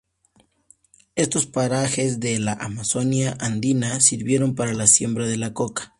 Estos parajes de la Amazonia andina sirvieron para la siembra de la coca.